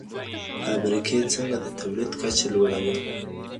فابریکې څنګه د تولید کچه لوړوي؟